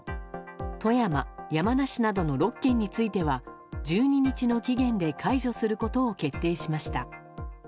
富山、山梨などの６県については１２日の期限で解除することを決定しました。